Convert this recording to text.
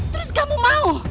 terus kamu mau